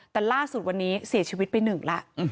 แต่ล่าสุดวันนี้เสียชีวิตไปหนึ่งแล้ว